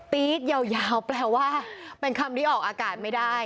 ี๊ดยาวแปลว่าเป็นคำที่ออกอากาศไม่ได้